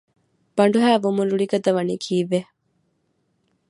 ބަނޑުހައި ވުމުން ރުޅި ގަދަވަނީ ކީއްވެ؟